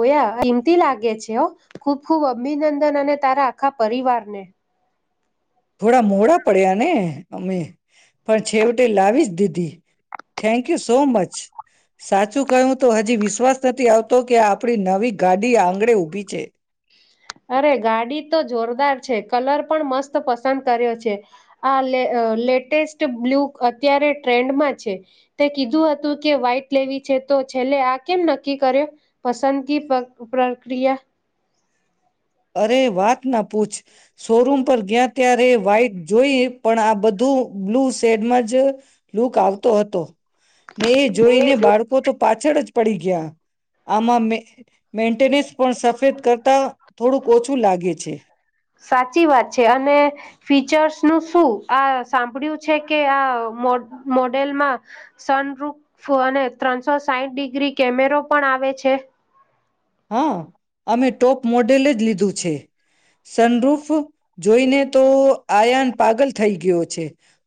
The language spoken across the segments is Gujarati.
ગોયા હિંમતી લાગે છે હો ખૂબ ખૂબ અભિનંદન અને તારા આખા પરિવારને. થોડા મોડા પડ્યા ને અમે પણ છેવટે લાવી જ દીધી થેન્કયુ સો મચ સાચું કહ્યું તો હજી વિશ્વાસ નથી આવતો કે આપણી નવી ગાડી આંગણેે ઊભી છે. અરે ગાડી તો જોરદાર છે કલર પણ મસ્ત પસંદ કર્યો છે આ લે લેટેસ્ટ બ્લુ અત્યારે ટ્રેન્ડમાં છે તે કીધું હતું કે વ્હાઈટ લેવી છે તો છેલ્લે આ કેમ નક્કી કર્યો પસંદગી પ પ્રક્રિયા અરે વાત ના પૂછ શોરૂમ પર ગયા ત્યારે વા્ઈટ જોઈ પણ આ બ [unintelligible] બ્લુ સેડમાં જ લુક આવતો હતો ને એ જોઈને બાળકો તો પાછળ જ પડી ગયા. આમાં મે મેન્ટેનસ પણ સફેદ કરતા થોડુંક ઓછું લાગ્યું. પે છે. સાચી વાત. છે અને ફીચર્સ નું શું આ સાંભળ્યું છે કે આ મો મોડેલમાં સન રુફ અને ત્રણસો સાઠ ડિગ્રી કેમેરો પણ આવે છે. હા. અમે ટોપ મોડેલ જ લીધું છે. સનરુફ જોઈને તો આયાન પાગલ થઈ ગયો. છે.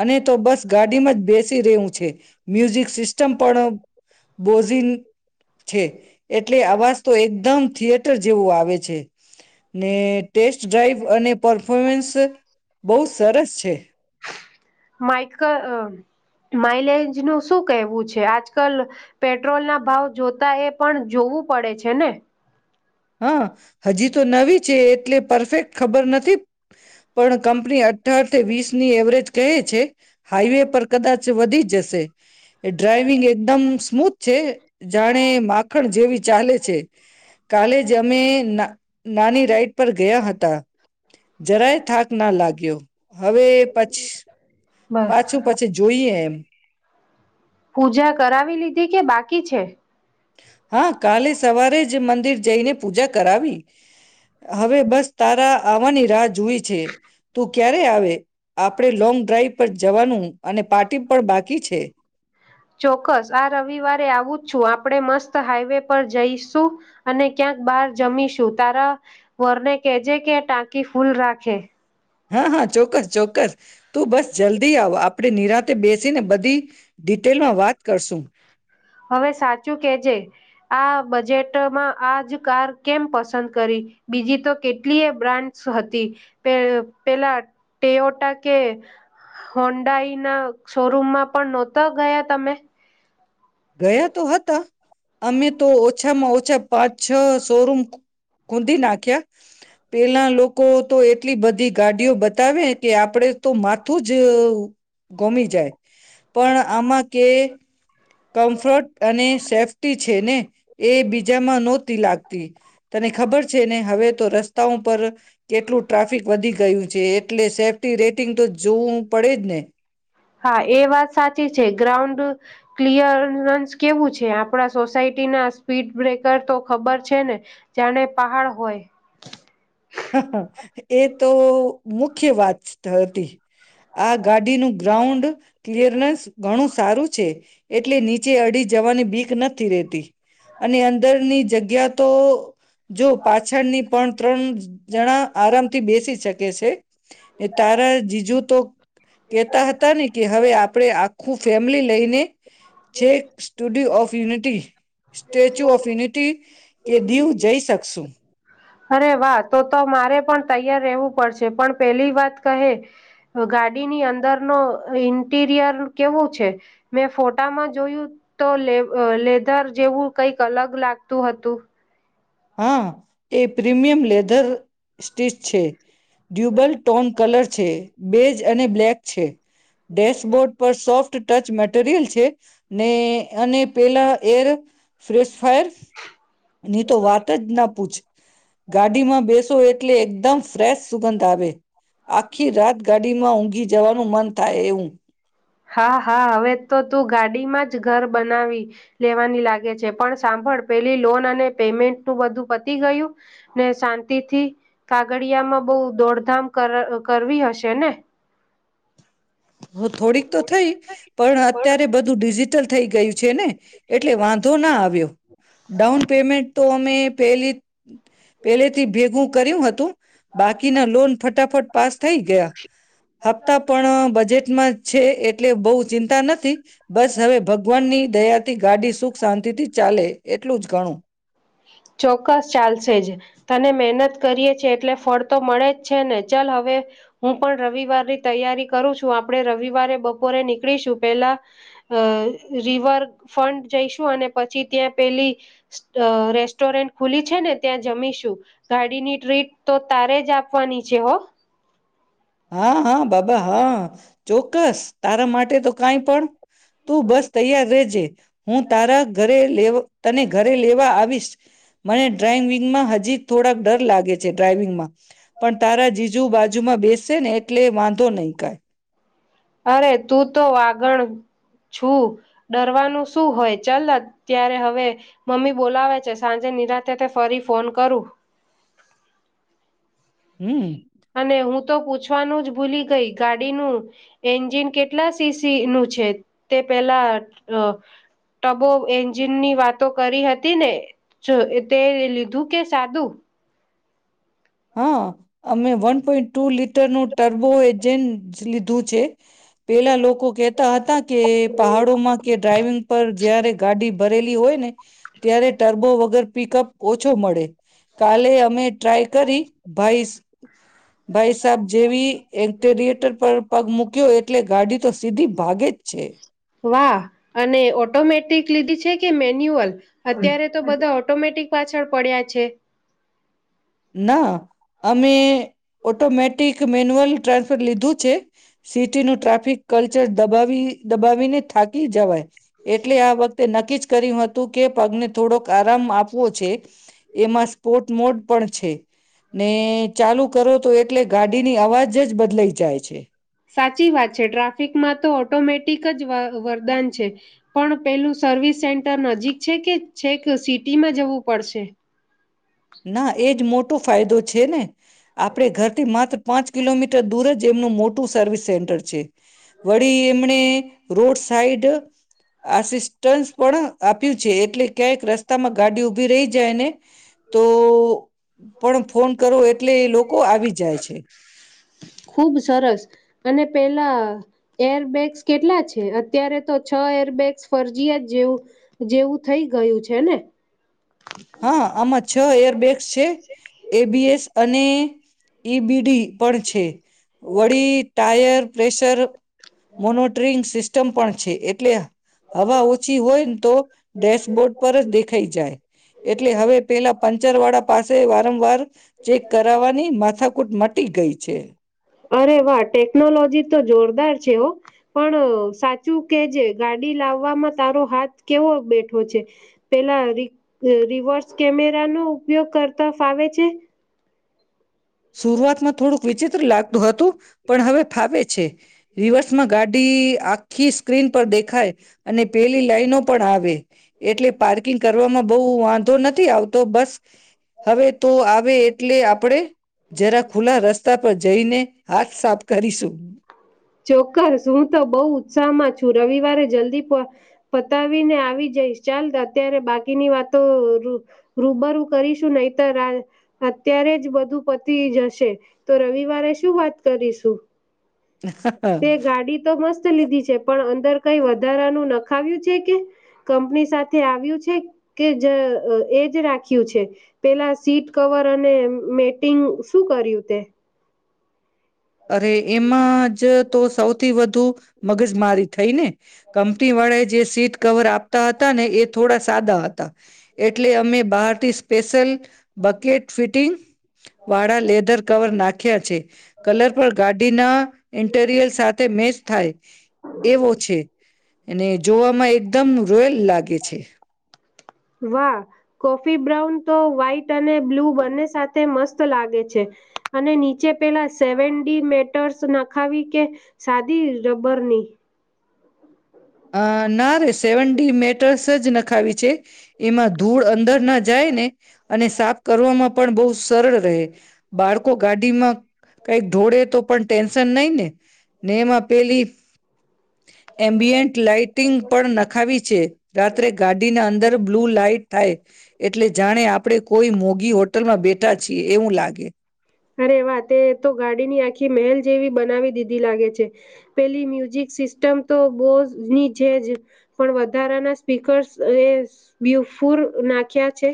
અને તો બસ ગાડીમાં જ બેસી રહવું છે મ્યુઝિક સિસ્ટમ પણ બોઝીન છે એટલે, આવા તો એકદમ થિયેટર જેવું આવે છે. ને ટેસ્ટ ડ્રાઈવ અને પરફોર્મન્સ બહુ સરસ છે. માઈકલ માઇલેજ નું શું કહેવું છે આજ કલ પેટ્રોલ ના ભાવ જોતા એ પણ જોવું પડે છે ને? હા હજી તો નવી છે એટલે પરફેક્ટ ખબર નથી પણ કંપની અઠાર વીસ ની એવરેજ કહે છે હાઈવે પર કદાચ વધી જશે ડ્રાઈવિંગ એકદમ સ્મૂથ છે, જાણે માખણ જેવી ચાલે છે. કાલે જ અમે ના નાની રાઈડ પર ગયા હતા જરાય થાક ના લાગ્યો હવે પછી બસ પાછું પાછી જોઈએ એમ. [inaudible] પૂજા કરાવી લીધી કે, બાકી છે? હા, કાલે સવારે જ. જે મંદિર જઈને. પૂજા કરાવી, હવે બસ તારા આવવાની રાહ જોઈ છે. તું ક્યારે આવે આપણે લોંગ ડ્રાઈવ પર જવાનું. અને પાર્ટી પણ બાકી છે ચોક્કસ. આ રવિવારે આવું છું. આપ આપણે મસ્ત હાઈવે પર જઈશું. અને ક્યાંક બહાર જમીશું. તારા વરને કેહેજે કે ટાંકી ફુલ રાખે. હા, હા, ચોક્કસ ચોક્કસ. તું, બસ જલ્દી આવો. આપણે નિરાંત બેસીને બધી ડિટેલમાં વાત કરશું હવે સાચું કેજે. આ બજેટમાં આજ કાર કેમ પસંદ કરી. બીજી તો કેટલીય બ્રાન્ડસ હતી. પ પેલા ટેઓટા કે હોન્ડાાઈના શોરૂમમાં પણ નહોતા ગયા તમે? ગયા તો હતા. અમે તો ઓછામાં ઓછ. અચ્છા પાંચ-છો શો રૂમ ખોદી નાખ્યા. પેલા લોકો તો એટલી બધી ગાડીઓ બતાવે કે આપ. આપડણે તો માથું જ ગમી જાય. પણ આમાં કે કમ્ફર્ટ અને. સેફ્ટી છે ને, એ બીજામાં નહોતી લાગતી તને ખબર છે ને હવે તો રસ્તાઓ પર કેટલું ટ્રાફિક વધી ગયું છે. એટલે સેફ્ટી રેટિંગ તો જોવું પડે જ ને. હા એ વાત સાચી છે. ગ્રાઉન્ડ ક્લિયરન્સ કેવું છે આપણા સોસાયટી ના સ્પીડ બ્રેકર તો ખબર છે ને જાણે પહાડ હોય. એ તો મુખ્ય વાત હતી. આ ગાડીનું ગ્રાઉન્ડ. ક્લિયરનેન્સ ઘણું સારું છે. એટલે નીચે અડી જ જવાની ભીખ નથી રહેતી. અને અંદરની જગ્યા. તો. જો પાછળની પણ ત્રણ. જણા આરામથી બેસી શકે છે. તારા જીજુ તો કહેતા હતા ને કે, હવે આપ આપણે આખું ફેમિલી લઈને જે Statue of Unity Statue of Unity કે દીવ જઈ શકશું. અરે વાહ તો તો મારે પણ તૈયાર રહેવું પડશે. પણ પેલી વાત કહે ગાડીની અંદર નુ ઇન્ટિરિયર કેવું છે મેં ફોટામાં જોયું તો લ લેધર જેવું કઈક અલગ લાગતું હતું. હા એ પ્રીમિયમ લેદર સ્ટીચ છે. ડ્યુબલ ટોન કલર છે. બેજ અને બ્લેક. છે. ડેશબોર્ડ પર સોફ્ટ ટચ મેટરિયલ છે ને અને પેલા એર ફ્રેશફાયર. ની તો વાત જ ના પૂછ. ગાડી માં બેસો એ. એટલે એકદમ ફ્રેશ સુગંધ આવે. આખી રાત ગાડીમાં ઊંઘી જવાનું મન થાય એવું. હા હા હવે તો તું ગાડીમાં જ ઘર બનાવી લેવાની લાગે છે. પણ સાંભળ પેલી લોન અને પેમેન્ટ નું બધું પતી ગયું? ને શાંતિથી કાગડિયામાં બહુ દોડધામ કરવી હશે ને? હ થોડીક તો થઈ પણ અત્યારે બધું ડિ. ટલ થઈ ગયું છે ને. એટલે વાંધો ના આવ્યો ડાઉન પેમેન્ટ તો અમે પેથી ભેગું. કર્યું હતું. બાકીના લોન ફટાફટ પાસ થઈ ગયા હપ્તા પણ બજેટ. છે એટલે બહુ ચિંતા નથી બસ હવે ભગવાનની દયાથી ગાડી સુખ શાંતિ થી ચાલે એટલું જ ગણું. ચોક્કસ ચાલશે જ તને મહેનત કરીએ છે એટલે ફળ તો મળે જ છે ને ચાલ હવે હું પણ રવિવારની તૈયારી કરું છું આપણેે રવિવારે બપોરે નીકળીશું પેલા અ રિવર ફંન્ટ જઈશું અને પછી ત્યાં પેલી. અ રેસ્ટોરન્ટ ખુલી છે ને ત્યાં જમીશું ગાડીની ટ્રીટ તો તારે જ આપવાની છે હો. હા હા બાબા હા ચોક્કસ તારા માટે તો કંઈ પણ. તું બસ તૈયાર રજે. હું તારા ઘરે લેવ. તને ઘરે લેવા આવીશ મને ડ્રાઈવિંગમાં હજી થોડાક ડર લાગે છે ડ્રાઈવિંગમાં પણ તારા જીજુ બાજુમાં બેસ ને એટલે વાંધો નહીં કઈ. અરે તું તો વાગણ છું ડરવાનું શું હોય ચાલ ત્યારે હવે મમ્મી બોલાવે છે સાંજે નિરાતેે તે ફરી ફોન કરું. હમ અને હું. તો પૂછવાનું જ ભૂલી ગઈ ગાડીનું એન્જિન કેટલા સીસી નું છે તે પેલા ટબો એન્જિન ની વાતો કરી હતી ને તે લીધું કે સાદું. હા અમે વન પોઈન્ટ ટુ લીટર નું ટર્બો એજ પછ લીધું છે. પેલા લોકો કેહેતા હતા કે પહાડોમાં કે ડ્રાઈવિંગ પર જયારે ગાડી ભરેલી હોય ને. ત્યારે ટરબો વગર પિકઅપ ઓછો મળે કાલે અમે ટ્રાય ભાઈ ભાઈ સાબ જેવી એેરિએટર પર પગ મૂક્યો એટલે ગાડી તો સીધી ભાગે જ છે. હા અને ઓટોમેટિક લીધી છે કે મેન્યુઅલ? અત્યારે તો બધા ઓટોમેટિક પાછળ પડ્યા છે. ના અમે ઓટોમેટિક મેન્યુઅલ ટ્રાન્સફર લીધું છે સિટીનું ટ્રાફિક ક્લચ દબાવી દબાવીને થાકી જવાય એટલે આ વખતે નક્કી જ કર્યું હતું કે પગને થોડોક આરામ આપવો છે. એમાં સ્પોર્ટ મોડ પણ છે. ને ચાલુ કરો તો એટલે ગાડીની અવાજ જ બદલાઈ જાય છે. સાચી વાત છે ટ્રાફિકમાં તો ઓટોમેટિક જ વરદાન છે પણ પેલું સર્વિસ સેન્ટર નજીક છે કે છે કે સિટીમાં જવું પડશે. ના એ જ મોટ મોટ ફાયદો છે ને. આપડે ઘર થી માત્ર પાંચ કિલોમીટર દૂર જ એમનું મોટું સર્વિસ સેન્ટર છે વળી એમને રોડ સાઈડ આસિસ્ટન્સ પણ આપ્યું છે એટલે ક્યાંક રસ્તામાં ગાડી ઉભી રહી જાયને તો પણ ફોન કરો એટલે એ લોકો લોકો આવી જાય છે. ખુબ સરસ અને પેલા એરબેગ્સ કેટલા છે અત્યારે તો છ એરબેગ્સ ફરજીયા જ જેવું જેવું થઇ ગયું છે ને. હા આમાં છ એ છે એબીએસ અને ઈ બીડી પણડ છે. વડી ટાયર પ્રેશર મોનીટરીંગ સિસ્ટમ પણ છે એટલે હવા ઓછી હોય ને તો ડેશબોર્ડ પર જ દેખાઈ જાય એટલે હવે પેલા પંચર વાળા પાસે વારંવાર ચેક કરવાની માથાકૂટ મટી ગઈ છે. અરે વાહ ટેકનોલોજી તો જોરદાર છે હો પણ સાચું કે જે ગાડી લાવવામાં તારો હાથ કેવો બેઠો છે પેલા ર રિવર્સ કેમેરા નો ઉપયોગ કરતા ફાવે છે. શરૂઆતમાં થોડુંક વિચિત્ર લાગતું હતું પણ હવે ફાવે છે રિવર્સમાં ગાડી આખી સ્ક્રીન પર દેખાય અને પેલી લાઈનો પણ આવે એટલે પાર્કિંગ કરવામાં બહુ વાંધો નથી આવતો બસ હવે તો આવે એટલે કપડે જરા ખુલ્લા રસ્તા પર જઈને આ સાફ કરીશું. ચોક્કસ હું તો બહુ ઉત્સાહમાં છું રવિવારે જલ્દી પતાવીને આવી જઈશ ચાલ અત્યારે બાકીની વાતો રૂબરૂ કરીશું નહી તો અત્યારે જ બધું પતી જશે તો રવિવારે શું વાત કરીશું. તે ગાડી તો મસ્ત લીધી છે પણ અંદર કઈ વધારાનું ન ખાવ્યું છે કે કંપની સાથે આવ્યું છે કે એજ રાખ્યું છે પેલા સીટ કવર અને મેટિંગ શું કર્યું તે. અરે એમાં જ તો સૌથી વધુ મગજમારી થઈ ને કંપની વાળા જે સીટ કવર આપતા હતા ને એ થોડા સાદા હતા એટલે અમે બહારથી સ્પેશિલ બકેટ ફિટિંગ વાળા લેધર કવર નાખ્યા છે. કલર પર ગાડીના ઇન્ટેરિયર સાથે મેચ થાય એવો છે અને જોવામાં એકદમ રોયલ લાગે છે. વાહ કોફી બ્રાઉન તો વ્હાઈટ અને બ્લુ બંને સાથે મસ્ત લાગે છે અને નીચે પેલા સેવનડી મેટર્સ નાખાવી કે સાદી રબરની. અ ના રે સેવન ડી મેટર્સ જ નખાવી છે. એમાં ધૂળ અંદર ના જાય ને અને સાફ કરવામાં પણ બહુ સરળ રહે. બાળકો ગાડીમાં કઈક ઢોળે તો પણ ટેન્શન નહી ને ને એમાં પેલી એમ્બિયન્ટ લાઈટિંગ પણ નખાવી છે રાત્રે ગાડીના અંદર બ્લુ લાાઈટ થાય એટલે જાણે આપણે કોઈ મોગી હોટલમાં બેઠા છીએ એવું લાગે. અરે વા તે તો ગાડીની આખી મહેલ જેવી બનાવી દીધી લાગે છે પેલી મ્યુઝિક સિસ્ટમ તો બોઝની છે જ પણ વધારાના સ્પીકર્સ એ બ્યુફુર નાખ્યા છે.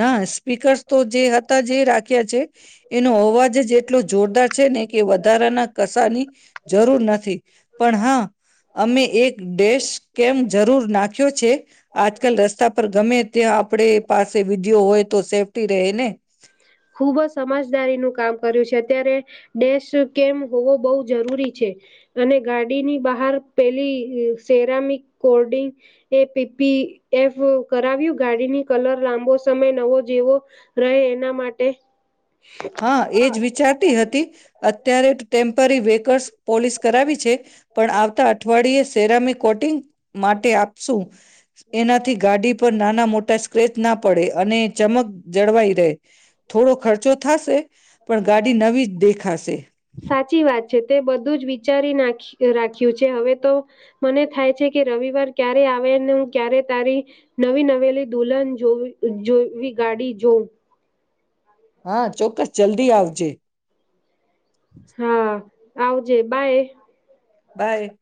ના સ્પીકર્સ તો જે હતા જે રાખ્યા છે એનો અવાજ જ એટલો જોરદાર છે ને કે વધારાના કસાની જરૂર નથી પણ હા અમે એક ડેશ કેમ જરૂર નાખ્યો છે આજકાલ રસ્તા પર ગમે ત્યાં આપણે પા વિધિયો હોય તો સેફ્ટી રહે ને. ખુબ જ સમજદારીનું કામ કર્યું છે અત્યારે ડેશ કેમ હોવો બહુ જરૂરી છે અને ગાડીની બહાર પેલી સેરામિક કોડિંગ એ પી પી એફ કરાવ્યું ગાડીની કલર લાંબો સમય નવો જેવો રહે ના માટે. હા એજ વિચારતી હતી અત્યારે ટેમ્પરી વેકર્સ પોલીસ કરાવી છે પણ આવતા અઠવાડિયે સેરામીક કોટિંગ માટે આપશું. એનાથી ગાડી પર નાના મો સ્ક્રેચ ના પડે અને ચમક જળવાઈ રહે થોડો ખર્ચો પણ ગાડી નવી દેખાશે. સાચી તે બધું જ વિચારી નાખ રાખ્યું છે હવે તો મને થાય છે કે રવિવાર ક્યારે આવે અને હું ક્યારે તારી નવી નવેલી દુલ્હન જો જોવી ગાડી જોઉં. હા ચોક્કસ જલ્દી આવજે. [inaudible] હા આવજે બાય. બાય.